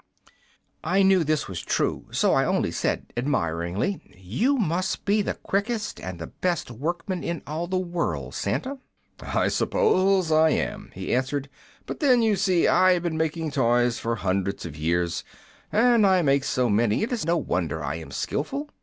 "I knew this was true, so I only said, admiringly, "'You must be the quickest and the best workman in all the world, Santa.' "'I suppose I am,' he answered; 'but then, you see, I have been making toys for hundreds of years, and I make so many it is no wonder I am skillful.